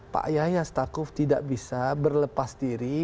pak yahya stakuf tidak bisa berlepas diri